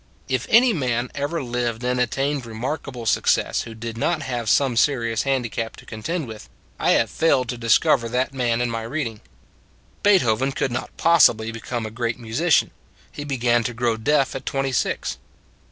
If any man ever lived and attained re markable success who did not have some serious handicap to contend with, I have failed to discover that man in my reading. Beethoven could not possibly become a great musician. He began to grow deaf at twenty six.